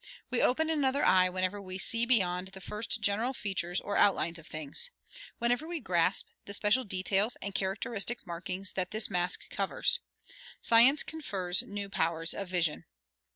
We open another eye whenever we see beyond the first general features or outlines of things whenever we grasp the special details and characteristic markings that this mask covers. Science confers new powers of vision.